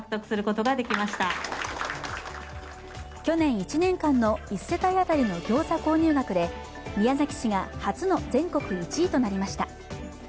去年１年間の１世帯当たりのギョーザ購入額で宮崎市が初の全国１位となりました。